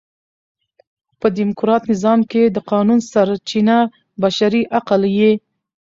په ډیموکراټ نظام کښي د قانون سرچینه بشري عقل يي.